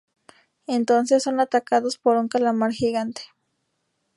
Entonces son atacados por un calamar gigante.